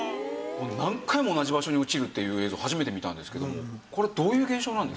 何回も同じ場所に落ちるっていう映像初めて見たんですけどこれどういう現象なんですか？